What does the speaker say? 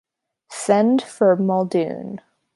Send for Muldoon!